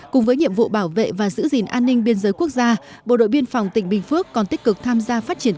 cùng với nhiệm vụ bảo vệ và giữ gìn an ninh biên giới quốc gia bộ đội biên phòng tỉnh bình phước còn tích cực tham gia phát triển